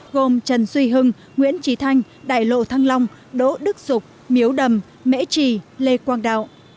gồm trần duy hưng nguyễn trí thanh đại lộ thăng long đỗ đức dục miếu đầm mễ trì lê quang đạo